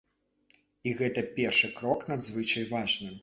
І гэты першы крок надзвычай важны.